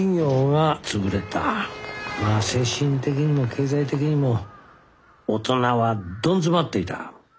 まあ精神的にも経済的にも大人はドン詰まっていた。